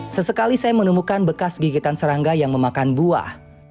sesekali saya menemukan bekas gigitan serangga yang memakan buah